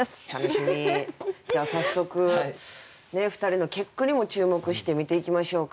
じゃあ早速２人の結句にも注目して見ていきましょうか。